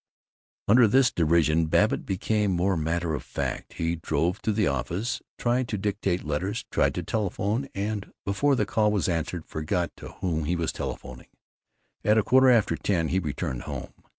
Under this derision Babbitt became more matter of fact. He drove to the office, tried to dictate letters, tried to telephone and, before the call was answered, forgot to whom he was telephoning. At a quarter after ten he returned home.